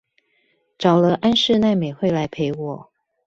找了安室奈美惠來陪我